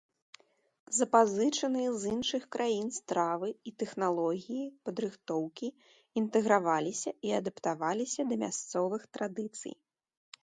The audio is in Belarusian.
Запазычаныя з іншых краін стравы і тэхналогіі падрыхтоўкі інтэграваліся і адаптаваліся да мясцовых традыцый.